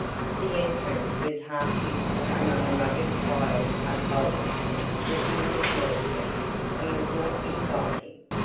The entrance was half hidden among rugged piled up boulders dripping with moisture; and was not inviting.